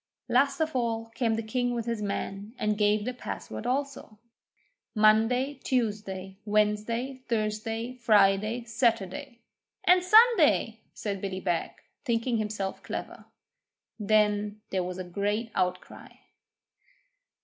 Last of all came the king with his men, and gave the password also Monday, Tuesday, Wednesday, Thursday, Friday, Saturday, 'and Sunday,' says Billy Beg, thinking himself clever. Then there was a great outcry.